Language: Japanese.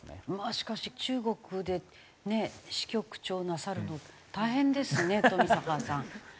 しかし中国でね支局長をなさるの大変ですね冨坂さん。